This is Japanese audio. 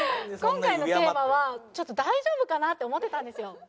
今回のテーマはちょっと大丈夫かなって思ってたんですよ。